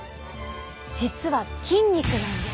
実は筋肉なんです。